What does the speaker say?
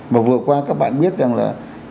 mà vừa qua các bạn biết rằng là